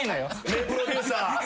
名プロデューサー。